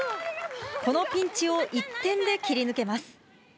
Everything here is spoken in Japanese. このピンチを１点で切り抜けます。